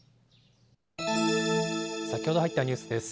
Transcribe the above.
先ほど入ったニュースです。